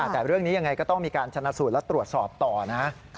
แต่เรื่องนี้ยังไงก็ต้องมีการชนะสูตรและตรวจสอบต่อนะ